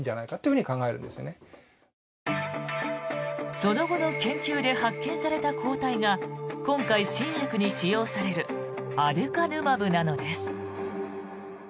その後の研究で発見された抗体が今回新薬に使用されるアデュカヌマブなのです。